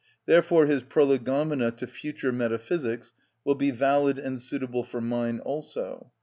Therefore his Prolegomena to future metaphysics will be valid and suitable for mine also.